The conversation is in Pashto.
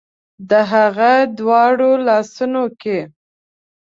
د هغه دواړو لاسونو کې